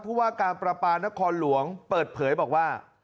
ผู้ว่าการประปานครหลวงเปิดเผยบอกว่า